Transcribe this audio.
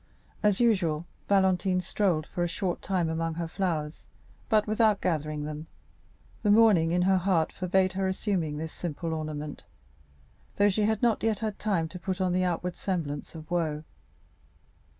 As usual, Valentine strolled for a short time among her flowers, but without gathering them. The mourning in her heart forbade her assuming this simple ornament, though she had not yet had time to put on the outward semblance of woe.